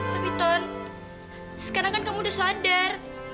tapi ton sekarang kan kamu udah sadar